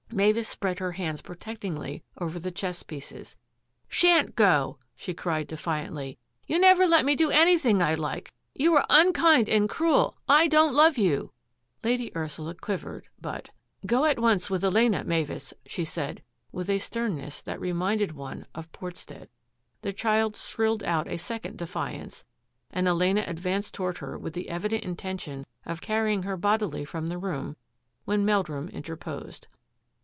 Mavis spread her hands protectingly over the chess pieces. " Shan't go !" she cried defiantly. " You never let me do anything I like. You are unkind and cruel ! I don't love you !" Lady Ursula quivered, but, " Go at once with Elena, Mavis," she said, with a sternness that re minded one of Portstead. The child shrilled out a second defiance, and Elena advanced toward her with the evident inten tion of carrying her bodily from the room when Meldrum interposed.